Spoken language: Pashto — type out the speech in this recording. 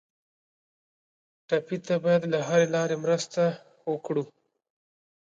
ټپي ته باید له هرې لارې مرسته وکړو.